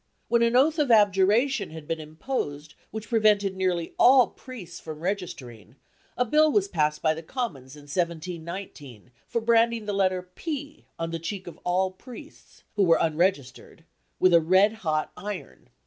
" When an oath of abjuration had been imposed which prevented nearly all priests from registering, a Bill was passed by the Commons in 1719 for branding the letter P on the cheek of all priests, who were unregistered, with a red hot iron.